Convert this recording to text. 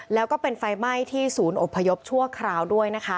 และเป็นไฟไหม้อยู่ที่ศูนย์อบพยพชั่วคราวด้วย